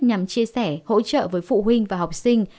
nhằm chia sẻ hỗ trợ với phụ huynh và học sinh